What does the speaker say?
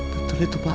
betul itu pak